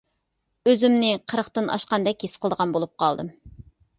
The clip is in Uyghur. ئۆزۈمنى قىرىقتىن ئاشقاندەك ھېس قىلىدىغان بولۇپ قالدىم.